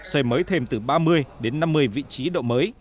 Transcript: xây mới thêm từ ba mươi đến năm mươi vị trí độ mới